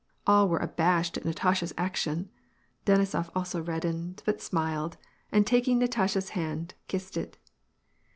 All were abashed at Natasha's action. Denisof also reddened, but smiled, and taking Nata sha's hand, kissed it.